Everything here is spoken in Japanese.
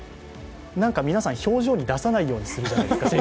何か皆さん、表情に出さないようにするじゃないですか。